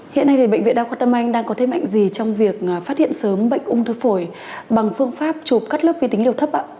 hiện nay thì bệnh viện đào quận tâm anh đang có thêm ảnh gì trong việc phát hiện sớm bệnh ung thư phổi bằng phương pháp chụp cắt lớp vi tính liều thấp ạ